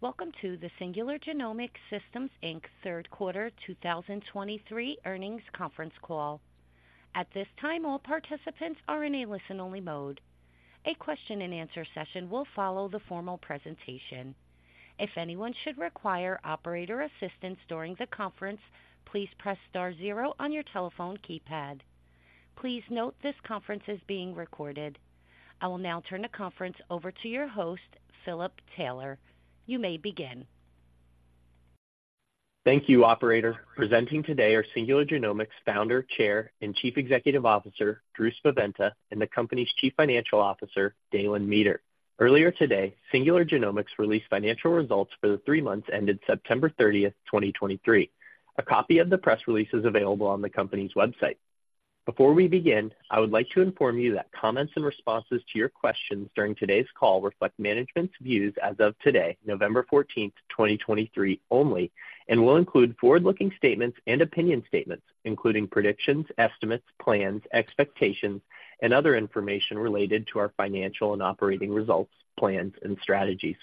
Welcome to the Singular Genomics Systems, Inc. third quarter 2023 earnings conference call. At this time, all participants are in a listen-only mode. A question-and-answer session will follow the formal presentation. If anyone should require operator assistance during the conference, please press star zero on your telephone keypad. Please note this conference is being recorded. I will now turn the conference over to your host, Philip Taylor. You may begin. Thank you, operator. Presenting today are Singular Genomics Founder, Chair, and Chief Executive Officer, Drew Spaventa, and the company's Chief Financial Officer, Dalen Meeter. Earlier today, Singular Genomics released financial results for the three months ended September 30th, 2023. A copy of the press release is available on the company's website. Before we begin, I would like to inform you that comments and responses to your questions during today's call reflect management's views as of today, November 14th, 2023, only, and will include forward-looking statements and opinion statements, including predictions, estimates, plans, expectations, and other information related to our financial and operating results, plans, and strategies.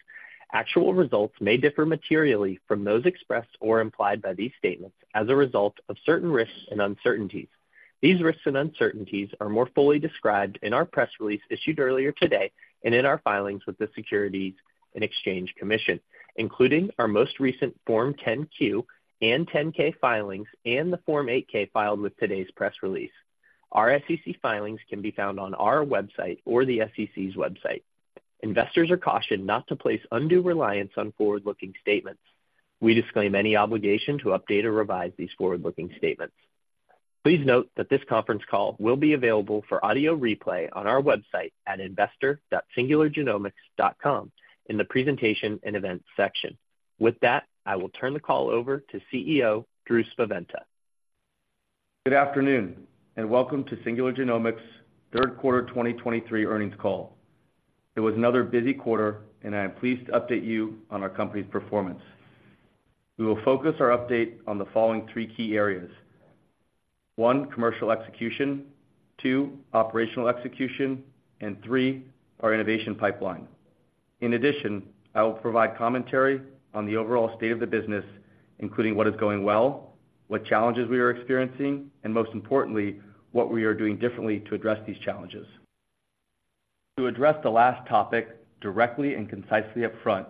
Actual results may differ materially from those expressed or implied by these statements as a result of certain risks and uncertainties. These risks and uncertainties are more fully described in our press release issued earlier today and in our filings with the Securities and Exchange Commission, including our most recent Form 10-Q and 10-K filings, and the Form 8-K filed with today's press release. Our SEC filings can be found on our website or the SEC's website. Investors are cautioned not to place undue reliance on forward-looking statements. We disclaim any obligation to update or revise these forward-looking statements. Please note that this conference call will be available for audio replay on our website at investor.singulargenomics.com in the Presentation and Events section. With that, I will turn the call over to CEO, Drew Spaventa. Good afternoon, and welcome to Singular Genomics' third quarter 2023 earnings call. It was another busy quarter, and I am pleased to update you on our company's performance. We will focus our update on the following three key areas: one, commercial execution, two, operational execution, and three, our innovation pipeline. In addition, I will provide commentary on the overall state of the business, including what is going well, what challenges we are experiencing, and most importantly, what we are doing differently to address these challenges. To address the last topic directly and concisely up front,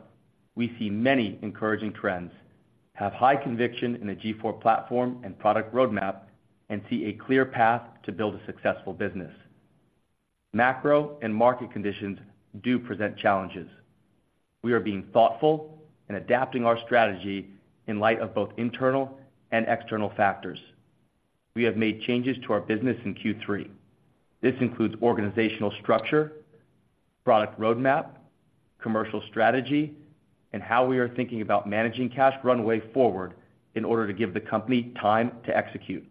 we see many encouraging trends, have high conviction in the G4 platform and product roadmap, and see a clear path to build a successful business. Macro and market conditions do present challenges. We are being thoughtful and adapting our strategy in light of both internal and external factors. We have made changes to our business in Q3. This includes organizational structure, product roadmap, commercial strategy, and how we are thinking about managing cash runway forward in order to give the company time to execute.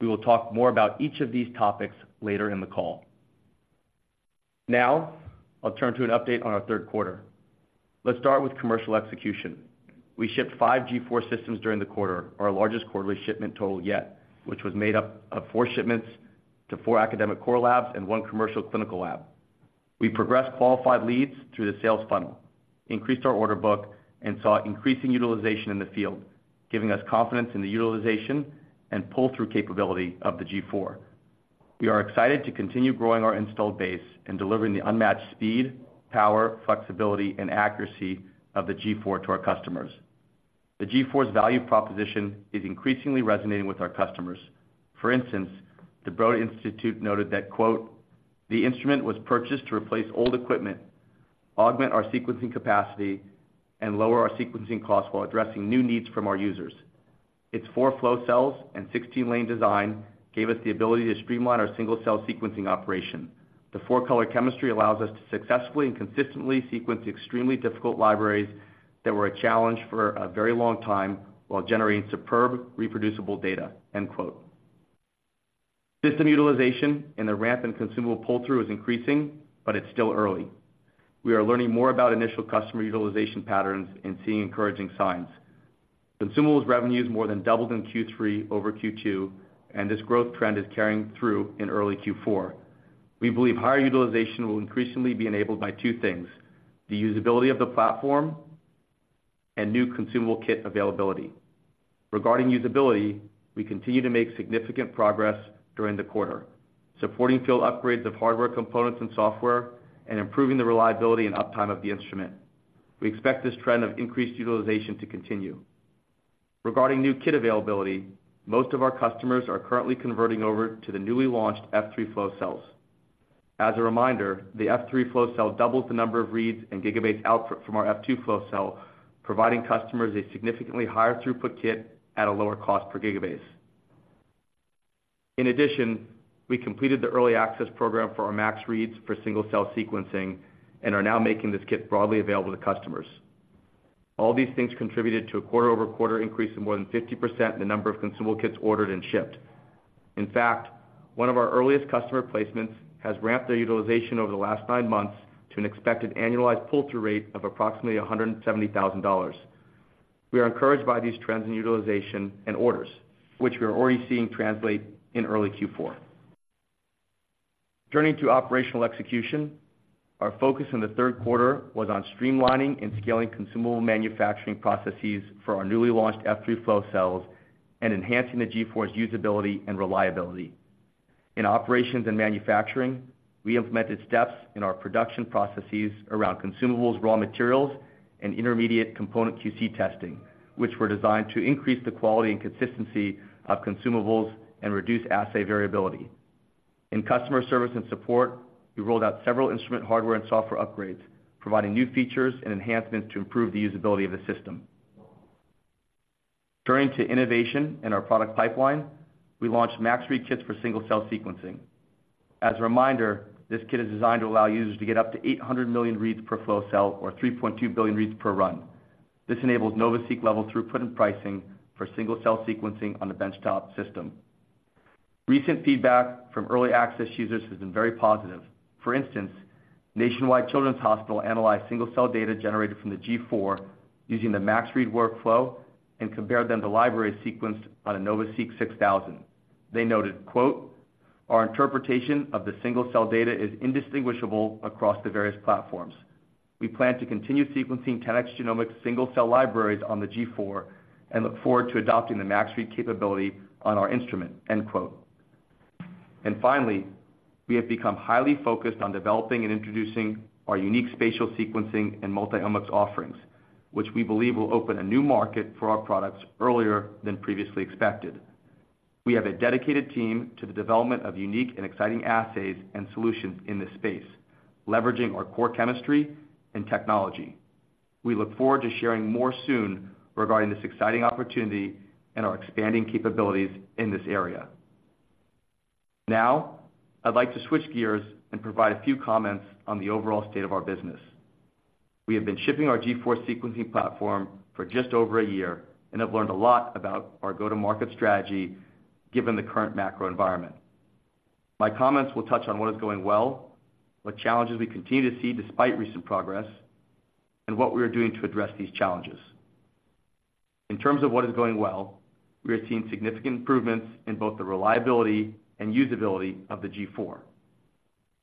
We will talk more about each of these topics later in the call. Now, I'll turn to an update on our third quarter. Let's start with commercial execution. We shipped five G4 systems during the quarter, our largest quarterly shipment total yet, which was made up of four shipments to four academic core labs and one commercial clinical lab. We progressed qualified leads through the sales funnel, increased our order book, and saw increasing utilization in the field, giving us confidence in the utilization and pull-through capability of the G4. We are excited to continue growing our installed base and delivering the unmatched speed, power, flexibility, and accuracy of the G4 to our customers. The G4's value proposition is increasingly resonating with our customers. For instance, the Broad Institute noted that, quote, "The instrument was purchased to replace old equipment, augment our sequencing capacity, and lower our sequencing costs while addressing new needs from our users. Its four flow cells and 16-lane design gave us the ability to streamline our single-cell sequencing operation. The four-color chemistry allows us to successfully and consistently sequence extremely difficult libraries that were a challenge for a very long time, while generating superb, reproducible data." End quote. System utilization and the ramp in consumable pull-through is increasing, but it's still early. We are learning more about initial customer utilization patterns and seeing encouraging signs. Consumables revenues more than doubled in Q3 over Q2, and this growth trend is carrying through in early Q4. We believe higher utilization will increasingly be enabled by two things: the usability of the platform and new consumable kit availability. Regarding usability, we continue to make significant progress during the quarter, supporting field upgrades of hardware components and software, and improving the reliability and uptime of the instrument. We expect this trend of increased utilization to continue. Regarding new kit availability, most of our customers are currently converting over to the newly launched F3 flow cells. As a reminder, the F3 flow cell doubles the number of reads and gigabase output from our F2 flow cell, providing customers a significantly higher throughput kit at a lower cost per gigabase. In addition, we completed the early access program for our Max Read for single-cell sequencing and are now making this kit broadly available to customers. All these things contributed to a quarter-over-quarter increase of more than 50% in the number of consumable kits ordered and shipped. In fact, one of our earliest customer placements has ramped their utilization over the last nine months to an expected annualized pull-through rate of approximately $170,000. We are encouraged by these trends in utilization and orders, which we are already seeing translate in early Q4. Turning to operational execution, our focus in the third quarter was on streamlining and scaling consumable manufacturing processes for our newly launched F3 flow cells, and enhancing the G4's usability and reliability. In operations and manufacturing, we implemented steps in our production processes around consumables, raw materials, and intermediate component QC testing, which were designed to increase the quality and consistency of consumables and reduce assay variability. In customer service and support, we rolled out several instrument hardware and software upgrades, providing new features and enhancements to improve the usability of the system. Turning to innovation and our product pipeline, we launched Max Read Kits for single-cell sequencing. As a reminder, this kit is designed to allow users to get up to 800 million reads per flow cell or 3.2 billion reads per run. This enables NovaSeq level throughput and pricing for single-cell sequencing on the benchtop system. Recent feedback from early access users has been very positive. For instance, Nationwide Children's Hospital analyzed single-cell data generated from the G4 using the Max Read workflow and compared them to libraries sequenced on a NovaSeq 6000. They noted, quote, "Our interpretation of the single-cell data is indistinguishable across the various platforms. We plan to continue sequencing 10x Genomics single-cell libraries on the G4, and look forward to adopting the Max Read capability on our instrument," end quote. And finally, we have become highly focused on developing and introducing our unique spatial sequencing and multi-omics offerings, which we believe will open a new market for our products earlier than previously expected. We have a dedicated team to the development of unique and exciting assays and solutions in this space, leveraging our core chemistry and technology. We look forward to sharing more soon regarding this exciting opportunity and our expanding capabilities in this area. Now, I'd like to switch gears and provide a few comments on the overall state of our business. We have been shipping our G4 Sequencing Platform for just over a year, and have learned a lot about our go-to-market strategy, given the current macro environment. My comments will touch on what is going well, what challenges we continue to see despite recent progress, and what we are doing to address these challenges. In terms of what is going well, we are seeing significant improvements in both the reliability and usability of the G4.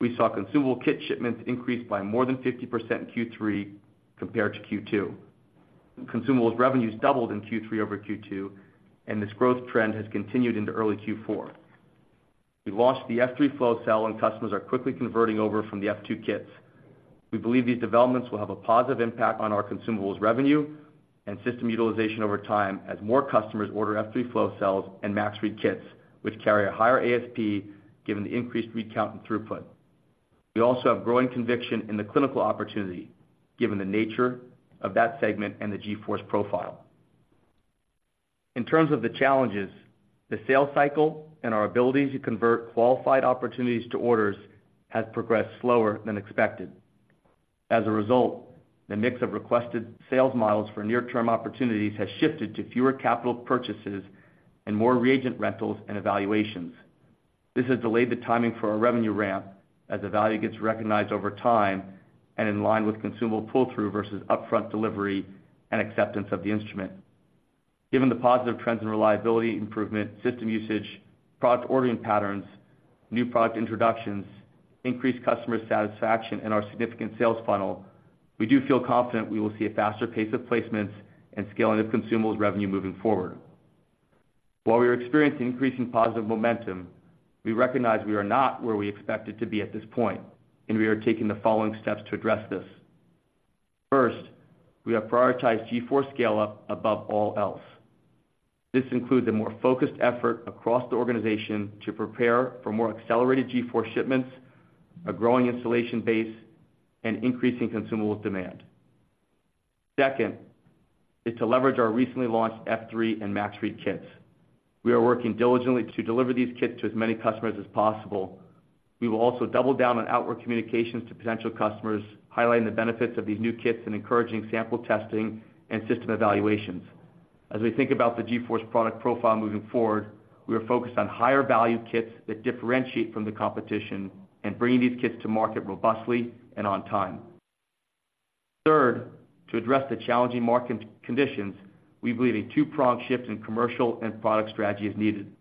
We saw consumable kit shipments increase by more than 50% in Q3 compared to Q2. Consumables revenues doubled in Q3 over Q2, and this growth trend has continued into early Q4. We launched the F3 flow cell, and customers are quickly converting over from the F2 kits. We believe these developments will have a positive impact on our consumables revenue and system utilization over time, as more customers order F3 flow cells and Max Read Kits, which carry a higher ASP, given the increased read count and throughput. We also have growing conviction in the clinical opportunity, given the nature of that segment and the G4's profile. In terms of the challenges, the sales cycle and our ability to convert qualified opportunities to orders has progressed slower than expected. As a result, the mix of requested sales models for near-term opportunities has shifted to fewer capital purchases and more reagent rentals and evaluations. This has delayed the timing for our revenue ramp, as the value gets recognized over time and in line with consumable pull-through versus upfront delivery and acceptance of the instrument. Given the positive trends in reliability improvement, system usage, product ordering patterns, new product introductions, increased customer satisfaction, and our significant sales funnel, we do feel confident we will see a faster pace of placements and scale in the consumables revenue moving forward. While we are experiencing increasing positive momentum, we recognize we are not where we expected to be at this point, and we are taking the following steps to address this. First, we have prioritized G4 scale-up above all else. This includes a more focused effort across the organization to prepare for more accelerated G4 shipments, a growing installation base, and increasing consumables demand. Second, is to leverage our recently launched F3 and Max Read Kits. We are working diligently to deliver these kits to as many customers as possible. We will also double down on outward communications to potential customers, highlighting the benefits of these new kits and encouraging sample testing and system evaluations. As we think about the G4's product profile moving forward, we are focused on higher value kits that differentiate from the competition and bringing these kits to market robustly and on time. Third, to address the challenging market conditions, we believe a two-pronged shift in commercial and product strategy is needed.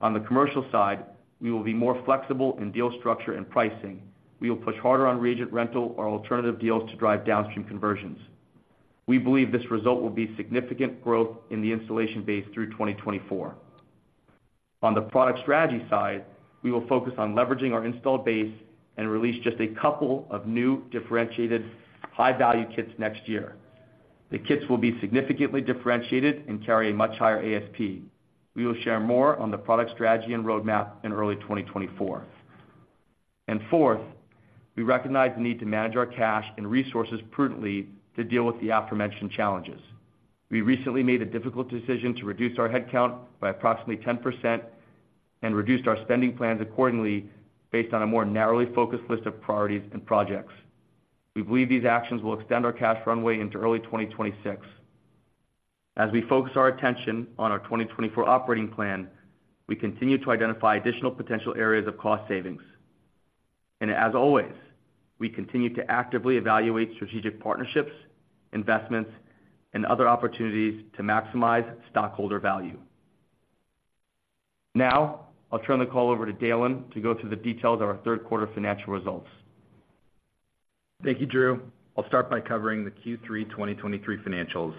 On the commercial side, we will be more flexible in deal structure and pricing. We will push harder on reagent rental or alternative deals to drive downstream conversions. We believe this result will be significant growth in the installation base through 2024. On the product strategy side, we will focus on leveraging our installed base and release just a couple of new differentiated, high-value kits next year. The kits will be significantly differentiated and carry a much higher ASP. We will share more on the product strategy and roadmap in early 2024. And fourth, we recognize the need to manage our cash and resources prudently to deal with the aforementioned challenges. We recently made a difficult decision to reduce our headcount by approximately 10% and reduced our spending plans accordingly, based on a more narrowly focused list of priorities and projects. We believe these actions will extend our cash runway into early 2026. As we focus our attention on our 2024 operating plan, we continue to identify additional potential areas of cost savings. And as always, we continue to actively evaluate strategic partnerships, investments, and other opportunities to maximize stockholder value.... Now, I'll turn the call over to Dalen to go through the details of our third quarter financial results. Thank you, Drew. I'll start by covering the Q3 2023 financials,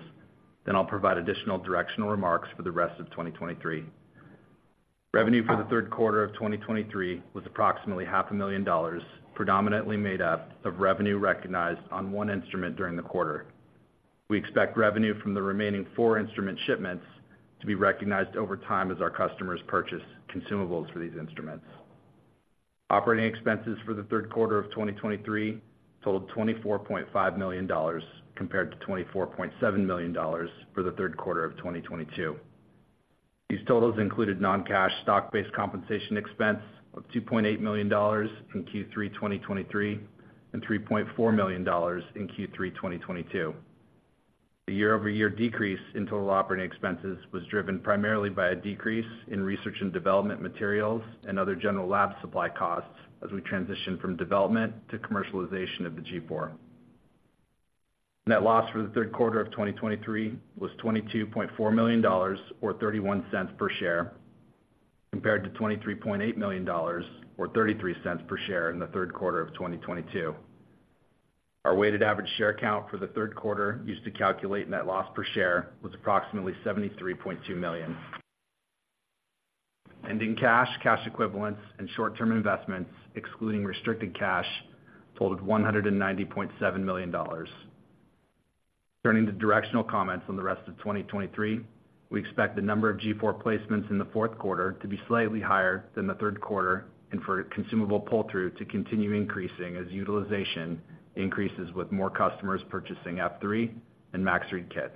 then I'll provide additional directional remarks for the rest of 2023. Revenue for the third quarter of 2023 was approximately $500,000, predominantly made up of revenue recognized on one instrument during the quarter. We expect revenue from the remaining four instrument shipments to be recognized over time as our customers purchase consumables for these instruments. Operating expenses for the third quarter of 2023 totaled $24.5 million, compared to $24.7 million for the third quarter of 2022. These totals included non-cash stock-based compensation expense of $2.8 million in Q3 2023, and $3.4 million in Q3 2022. The year-over-year decrease in total operating expenses was driven primarily by a decrease in research and development materials and other general lab supply costs as we transition from development to commercialization of the G4. Net loss for the third quarter of 2023 was $22.4 million, or $0.31 per share, compared to $23.8 million, or $0.33 per share, in the third quarter of 2022. Our weighted average share count for the third quarter, used to calculate net loss per share, was approximately 73.2 million. Ending cash, cash equivalents, and short-term investments, excluding restricted cash, totaled $190.7 million. Turning to directional comments on the rest of 2023, we expect the number of G4 placements in the fourth quarter to be slightly higher than the third quarter, and for consumable pull-through to continue increasing as utilization increases with more customers purchasing F3 and Max Read kits.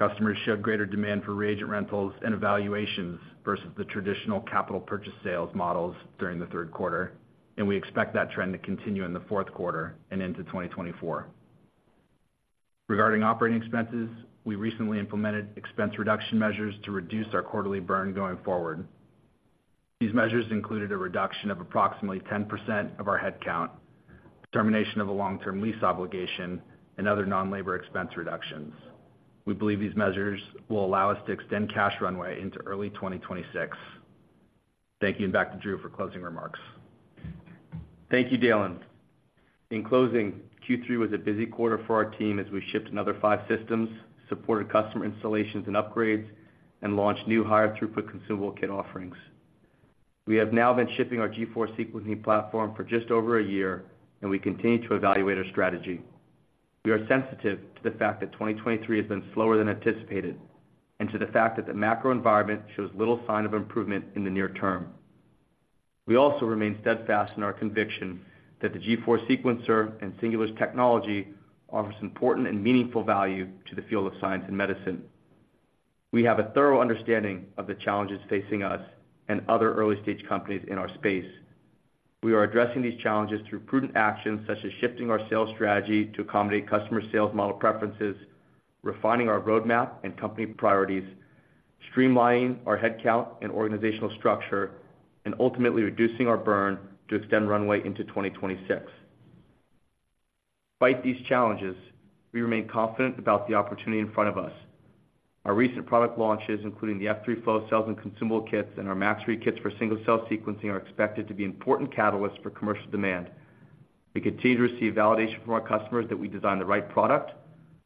Customers showed greater demand for reagent rentals and evaluations versus the traditional capital purchase sales models during the third quarter, and we expect that trend to continue in the fourth quarter and into 2024. Regarding operating expenses, we recently implemented expense reduction measures to reduce our quarterly burn going forward. These measures included a reduction of approximately 10% of our headcount, termination of a long-term lease obligation, and other non-labor expense reductions. We believe these measures will allow us to extend cash runway into early 2026. Thank you, and back to Drew for closing remarks. Thank you, Dalen. In closing, Q3 was a busy quarter for our team as we shipped another five systems, supported customer installations and upgrades, and launched new higher throughput consumable kit offerings. We have now been shipping our G4 Sequencing Platform for just over a year, and we continue to evaluate our strategy. We are sensitive to the fact that 2023 has been slower than anticipated, and to the fact that the macro environment shows little sign of improvement in the near term. We also remain steadfast in our conviction that the G4 sequencer and Singular's technology offers important and meaningful value to the field of science and medicine. We have a thorough understanding of the challenges facing us and other early-stage companies in our space. We are addressing these challenges through prudent actions, such as shifting our sales strategy to accommodate customer sales model preferences, refining our roadmap and company priorities, streamlining our headcount and organizational structure, and ultimately reducing our burn to extend runway into 2026. Despite these challenges, we remain confident about the opportunity in front of us. Our recent product launches, including the F3 flow cells and consumable kits, and our Max Read Kits for single-cell sequencing, are expected to be important catalysts for commercial demand. We continue to receive validation from our customers that we designed the right product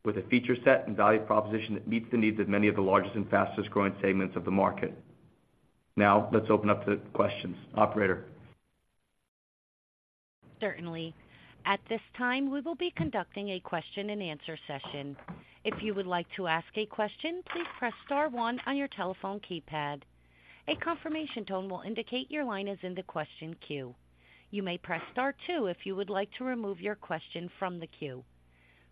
with a feature set and value proposition that meets the needs of many of the largest and fastest-growing segments of the market. Now, let's open up to questions. Operator? Certainly. At this time, we will be conducting a question-and-answer session. If you would like to ask a question, please press star one on your telephone keypad. A confirmation tone will indicate your line is in the question queue. You may press star two if you would like to remove your question from the queue.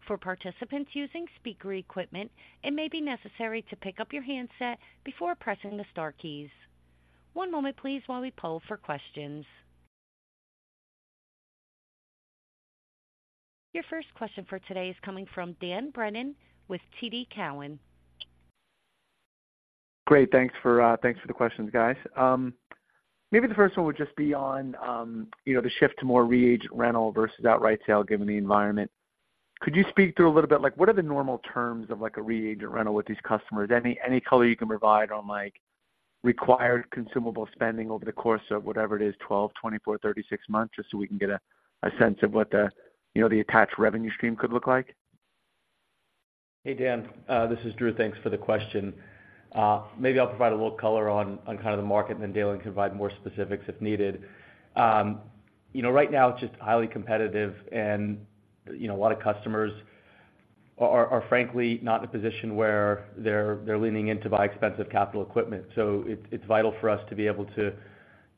For participants using speaker equipment, it may be necessary to pick up your handset before pressing the star keys. One moment, please, while we poll for questions. Your first question for today is coming from Dan Brennan with TD Cowen. Great. Thanks for the questions, guys. Maybe the first one would just be on, you know, the shift to more reagent rental versus outright sale, given the environment. Could you speak through a little bit, like what are the normal terms of like a reagent rental with these customers? Any color you can provide on, like, required consumable spending over the course of whatever it is, 12, 24, 36 months, just so we can get a sense of what the, you know, the attached revenue stream could look like. Hey, Dan, this is Drew. Thanks for the question. Maybe I'll provide a little color on kind of the market, and then Dalen can provide more specifics if needed. You know, right now it's just highly competitive and, you know, a lot of customers are frankly not in a position where they're leaning in to buy expensive capital equipment. So it's vital for us to be able to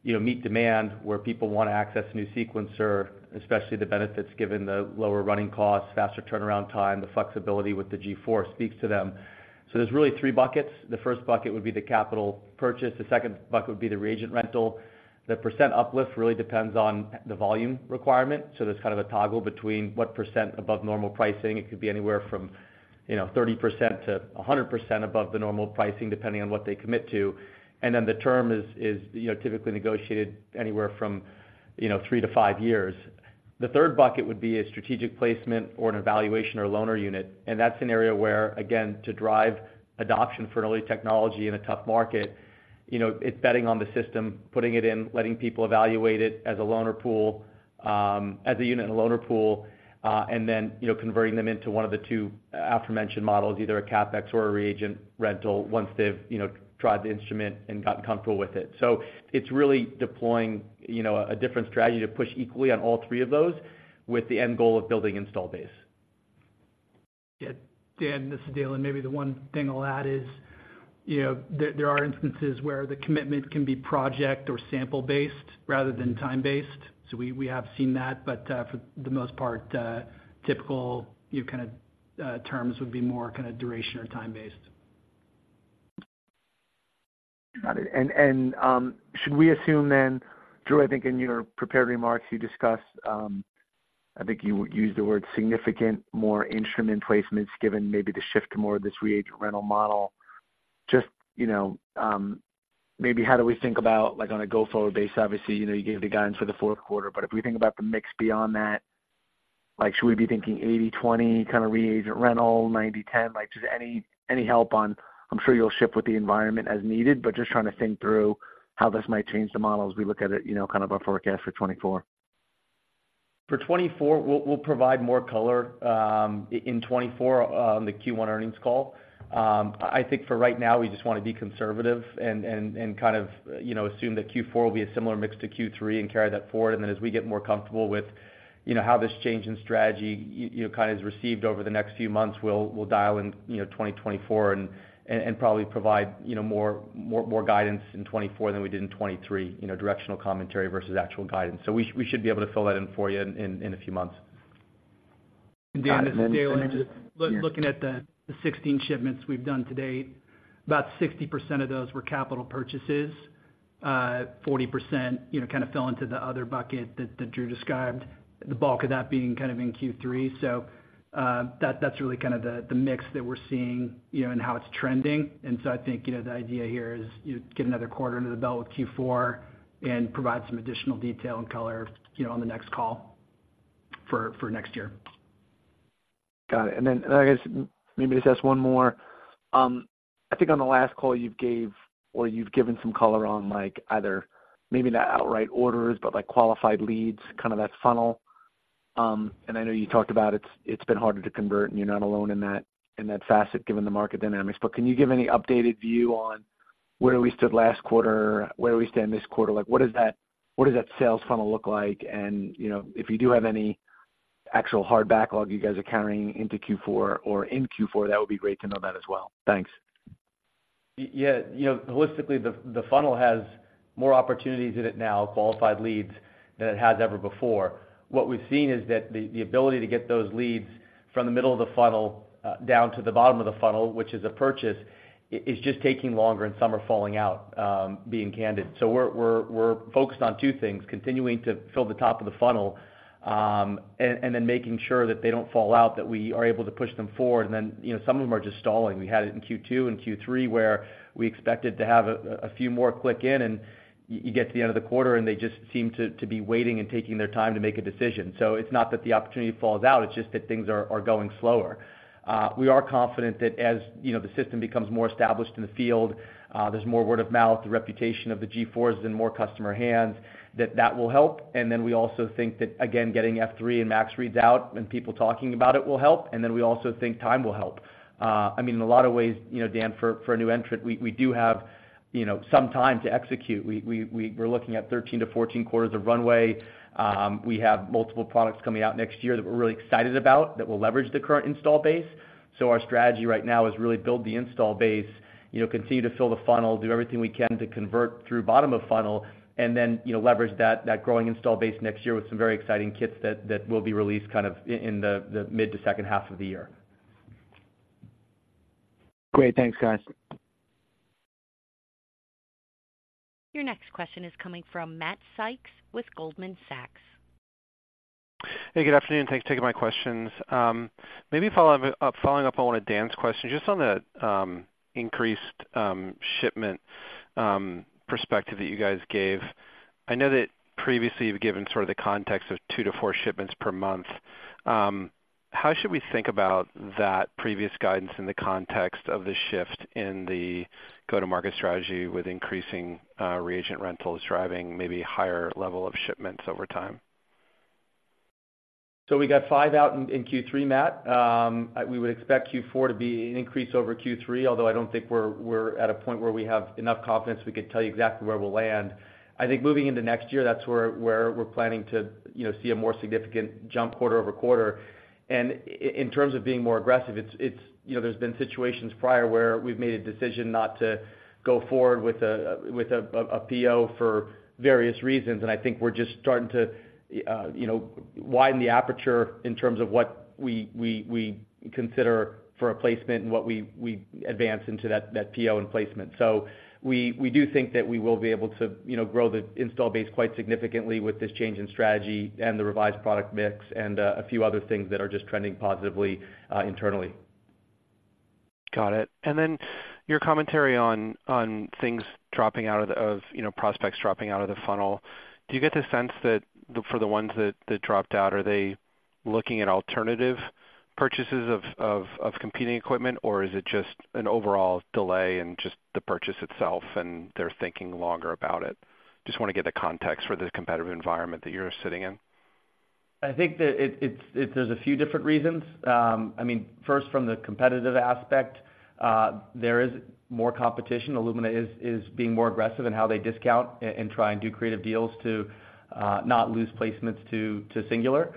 meet demand, where people want to access a new sequencer, especially the benefits, given the lower running costs, faster turnaround time, the flexibility with the G4 speaks to them. So there's really three buckets. The first bucket would be the capital purchase, the second bucket would be the reagent rental. The percent uplift really depends on the volume requirement, so there's kind of a toggle between what percent above normal pricing. It could be anywhere from, you know, 30%-100% above the normal pricing, depending on what they commit to. And then the term is, you know, typically negotiated anywhere from, you know, three to five years. The third bucket would be a strategic placement or an evaluation or a loaner unit, and that's an area where, again, to drive adoption for an early technology in a tough market, you know, it's betting on the system, putting it in, letting people evaluate it as a loaner pool, as a unit in a loaner pool, and then, you know, converting them into one of the two aforementioned models, either a CapEx or a reagent rental, once they've, you know, tried the instrument and gotten comfortable with it. It's really deploying, you know, a different strategy to push equally on all three of those, with the end goal of building installed base. Yeah. Dan, this is Dale, and maybe the one thing I'll add is, you know, there are instances where the commitment can be project or sample-based rather than time-based. So we have seen that, but, for the most part, typical, you know, kind of terms would be more kind of duration or time-based. Got it. And should we assume then, Drew, I think in your prepared remarks, you discussed, I think you used the word significant more instrument placements, given maybe the shift to more of this reagent rental model. Just, you know, maybe how do we think about, like, on a go-forward basis, obviously, you know, you gave the guidance for the fourth quarter, but if we think about the mix beyond that, like, should we be thinking 80/20 kind of reagent rental, 90/10? Like, just any, any help on... I'm sure you'll shift with the environment as needed, but just trying to think through how this might change the model as we look at it, you know, kind of our forecast for 2024. For 2024, we'll provide more color in 2024 on the Q1 earnings call. I think for right now, we just want to be conservative and kind of, you know, assume that Q4 will be a similar mix to Q3 and carry that forward. And then as we get more comfortable with, you know, how this change in strategy, you know, kind of is received over the next few months, we'll dial in, you know, 2024 and probably provide, you know, more guidance in 2024 than we did in 2023, you know, directional commentary versus actual guidance. So we should be able to fill that in for you in a few months. Dan, this is Dalen. Looking at the 16 shipments we've done to date, about 60% of those were capital purchases, 40%, you know, kind of fell into the other bucket that Drew described, the bulk of that being kind of in Q3. So, that, that's really kind of the mix that we're seeing, you know, and how it's trending. And so I think, you know, the idea here is, you get another quarter under the belt with Q4 and provide some additional detail and color, you know, on the next call for next year. Got it. And then, I guess maybe just ask one more. I think on the last call you gave or you've given some color on, like, either maybe not outright orders, but, like, qualified leads, kind of that funnel. And I know you talked about it's been harder to convert, and you're not alone in that, in that facet, given the market dynamics. But can you give any updated view on where we stood last quarter, where we stand this quarter? Like, what does that sales funnel look like? And, you know, if you do have any actual hard backlog you guys are carrying into Q4 or in Q4, that would be great to know that as well. Thanks. Yeah, you know, holistically, the funnel has more opportunities in it now, qualified leads, than it has ever before. What we've seen is that the ability to get those leads from the middle of the funnel down to the bottom of the funnel, which is a purchase, is just taking longer, and some are falling out, being candid. So we're focused on two things, continuing to fill the top of the funnel, and then making sure that they don't fall out, that we are able to push them forward. And then, you know, some of them are just stalling. We had it in Q2 and Q3, where we expected to have a few more close in, and you get to the end of the quarter, and they just seem to be waiting and taking their time to make a decision. So it's not that the opportunity falls out, it's just that things are going slower. We are confident that as, you know, the system becomes more established in the field, there's more word of mouth, the reputation of the G4 is in more customer hands, that that will help. And then we also think that, again, getting F3 and Max Reads out and people talking about it will help. And then we also think time will help. I mean, in a lot of ways, you know, Dan, for a new entrant, we, we're looking at 13-14 quarters of runway. We have multiple products coming out next year that we're really excited about that will leverage the current install base. So our strategy right now is really build the install base, you know, continue to fill the funnel, do everything we can to convert through bottom of funnel, and then, you know, leverage that growing install base next year with some very exciting kits that will be released kind of in the mid to second half of the year. Great. Thanks, guys. Your next question is coming from Matt Sykes with Goldman Sachs. Hey, good afternoon. Thanks for taking my questions. Maybe follow up, following up on one of Dan's questions, just on the increased shipment perspective that you guys gave. I know that previously you've given sort of the context of two to four shipments per month. How should we think about that previous guidance in the context of the shift in the go-to-market strategy with increasing reagent rentals driving maybe higher level of shipments over time? So we got five out in Q3, Matt. We would expect Q4 to be an increase over Q3, although I don't think we're at a point where we have enough confidence we could tell you exactly where we'll land. I think moving into next year, that's where we're planning to, you know, see a more significant jump quarter-over-quarter. And in terms of being more aggressive, it's, you know, there's been situations prior where we've made a decision not to go forward with a PO for various reasons, and I think we're just starting to, you know, widen the aperture in terms of what we consider for a placement and what we advance into that PO and placement. We do think that we will be able to, you know, grow the installed base quite significantly with this change in strategy and the revised product mix, and a few other things that are just trending positively, internally.... Got it. And then your commentary on things dropping out of the funnel, you know, prospects dropping out of the funnel. Do you get the sense that for the ones that dropped out, are they looking at alternative purchases of competing equipment? Or is it just an overall delay in just the purchase itself, and they're thinking longer about it? Just wanna get the context for the competitive environment that you're sitting in. I think that it, it's, there's a few different reasons. I mean, first, from the competitive aspect, there is more competition. Illumina is, is being more aggressive in how they discount and try and do creative deals to, not lose placements to, to Singular.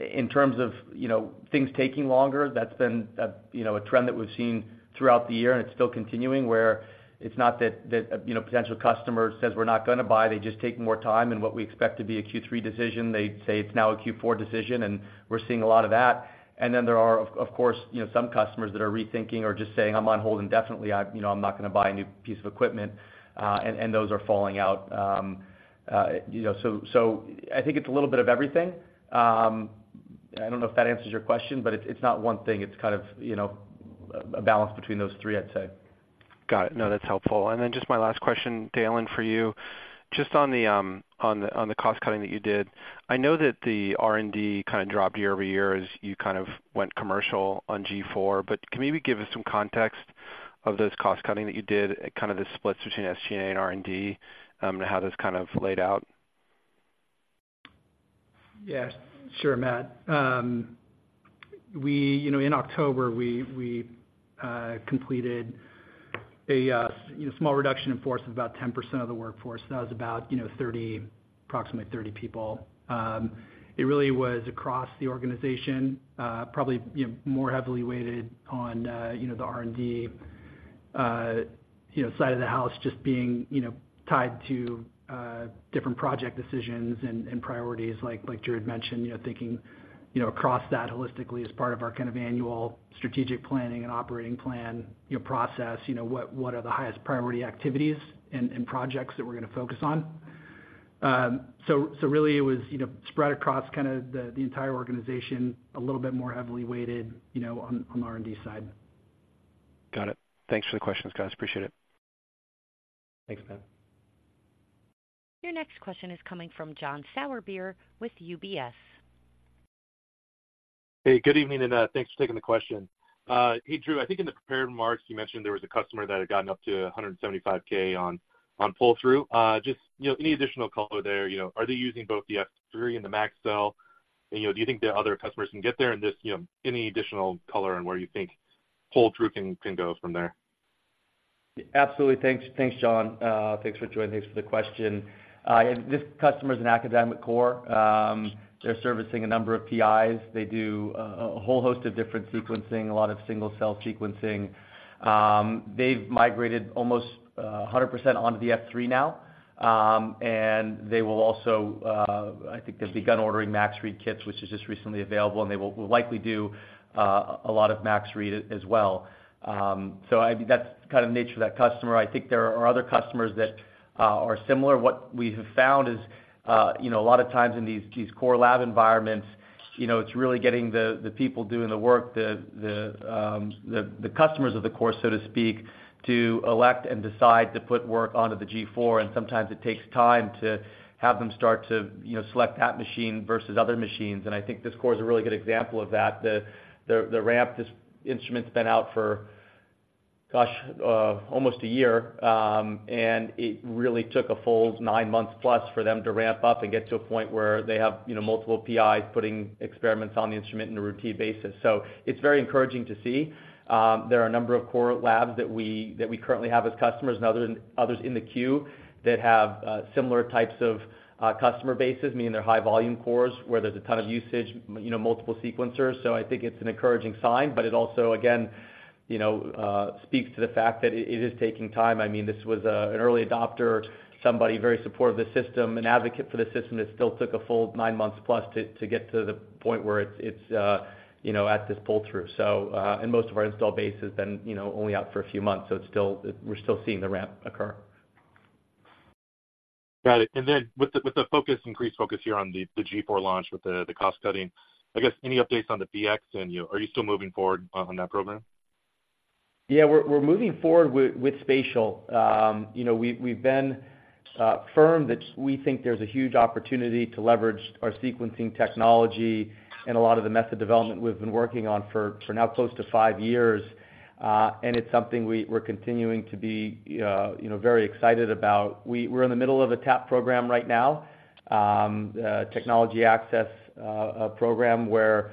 In terms of, you know, things taking longer, that's been a, you know, a trend that we've seen throughout the year, and it's still continuing, where it's not that, that, you know, a potential customer says we're not gonna buy, they just take more time and what we expect to be a Q3 decision, they say it's now a Q4 decision, and we're seeing a lot of that. And then there are, of, of course, you know, some customers that are rethinking or just saying, "I'm on hold indefinitely. You know, I'm not gonna buy a new piece of equipment, and those are falling out. You know, so I think it's a little bit of everything. I don't know if that answers your question, but it's not one thing. It's kind of, you know, a balance between those three, I'd say. Got it. No, that's helpful. And then just my last question, Dalen, for you. Just on the cost cutting that you did, I know that the R&D kind of dropped year-over-year as you kind of went commercial on G4, but can you maybe give us some context of those cost cutting that you did, kind of the splits between SG&A and R&D, and how this kind of laid out? Yes, sure, Matt. You know, in October, we completed a you know, small reduction in force of about 10% of the workforce. That was about, you know, approximately 30 people. It really was across the organization, probably, you know, more heavily weighted on, you know, the R&D, you know, side of the house just being, you know, tied to different project decisions and priorities, like Drew mentioned, you know, thinking, you know, across that holistically as part of our kind of annual strategic planning and operating plan, you know, process. You know, what are the highest priority activities and projects that we're gonna focus on? So really, it was, you know, spread across kind of the entire organization, a little bit more heavily weighted, you know, on the R&D side. Got it. Thanks for the questions, guys. Appreciate it. Thanks, Matt. Your next question is coming from John Sourbeer with UBS. Hey, good evening, and, thanks for taking the question. Hey, Drew, I think in the prepared remarks, you mentioned there was a customer that had gotten up to $175K on pull-through. Just, you know, any additional color there, you know, are they using both the F3 and the Max Read? And, you know, do you think the other customers can get there, and just, you know, any additional color on where you think pull-through can, can go from there? Absolutely. Thanks. Thanks, John. Thanks for joining. Thanks for the question. And this customer is an academic core. They're servicing a number of PIs. They do a whole host of different sequencing, a lot of single-cell sequencing. They've migrated almost 100% onto the F3 now. And they will also... I think they've begun ordering Max Read Kits, which is just recently available, and they will likely do a lot of Max Read as well. So that's kind of nature of that customer. I think there are other customers that are similar. What we have found is, you know, a lot of times in these core lab environments, you know, it's really getting the people doing the work, the customers of the core, so to speak, to elect and decide to put work onto the G4, and sometimes it takes time to have them start to, you know, select that machine versus other machines. And I think this core is a really good example of that. The ramp, this instrument's been out for almost a year, and it really took a full nine months plus for them to ramp up and get to a point where they have, you know, multiple PIs putting experiments on the instrument on a routine basis. So it's very encouraging to see. There are a number of core labs that we currently have as customers and others in the queue that have similar types of customer bases, meaning they're high volume cores, where there's a ton of usage, you know, multiple sequencers. So I think it's an encouraging sign, but it also, again, you know, speaks to the fact that it is taking time. I mean, this was an early adopter, somebody very supportive of the system, an advocate for the system that still took a full nine months plus to get to the point where it's, you know, at this pull-through. So, and most of our installed base has been, you know, only out for a few months, so it's still... We're still seeing the ramp occur. Got it. And then with the increased focus here on the G4 launch, with the cost cutting, I guess, any updates on the PX, and, you know, are you still moving forward on that program? Yeah, we're moving forward with spatial. You know, we've been firm that we think there's a huge opportunity to leverage our sequencing technology and a lot of the method development we've been working on for now close to five years, and it's something we're continuing to be, you know, very excited about. We're in the middle of a TAP program right now, Technology Access Program, where we're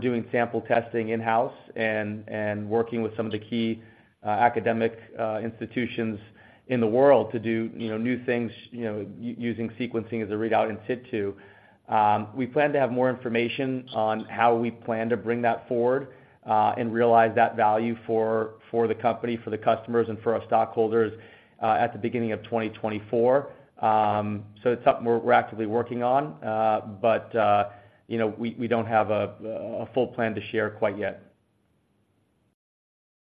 doing sample testing in-house and working with some of the key academic institutions in the world to do, you know, new things, you know, using sequencing as a readout in situ. We plan to have more information on how we plan to bring that forward, and realize that value for the company, for the customers, and for our stockholders, at the beginning of 2024. So it's something we're actively working on, but you know, we don't have a full plan to share quite yet.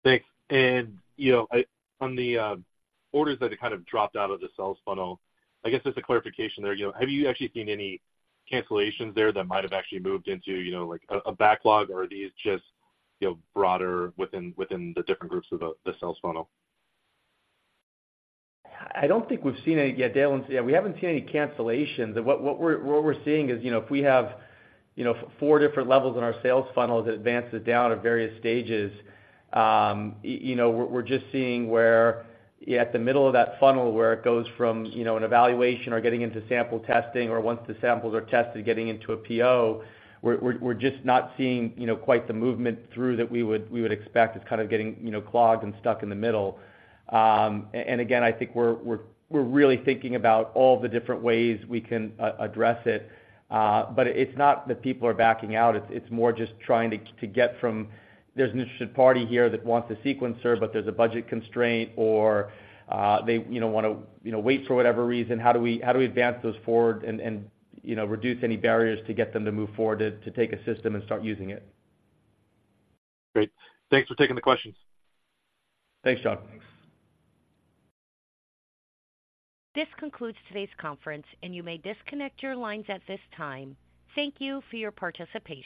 Thanks. And, you know, I on the orders that kind of dropped out of the sales funnel, I guess just a clarification there, you know, have you actually seen any cancellations there that might have actually moved into, you know, like, a backlog, or are these just, you know, broader within the different groups of the sales funnel? I don't think we've seen any yet, Dalen. Yeah, we haven't seen any cancellations. And what we're seeing is, you know, if we have, you know, four different levels in our sales funnel that advances down at various stages, you know, we're just seeing we're at the middle of that funnel, where it goes from, you know, an evaluation or getting into sample testing, or once the samples are tested, getting into a PO, we're just not seeing, you know, quite the movement through that we would expect. It's kind of getting, you know, clogged and stuck in the middle. And again, I think we're really thinking about all the different ways we can address it. But it's not that people are backing out, it's more just trying to get from... There's an interested party here that wants a sequencer, but there's a budget constraint or they, you know, wanna, you know, wait for whatever reason. How do we advance those forward and, you know, reduce any barriers to get them to move forward to take a system and start using it? Great. Thanks for taking the questions. Thanks, John. This concludes today's conference, and you may disconnect your lines at this time. Thank you for your participation.